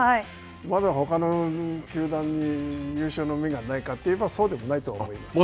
まだほかの球団に優勝の芽がないかというと、そうでもないと思います。